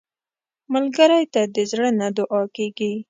ملګری ته د زړه نه دعا کېږي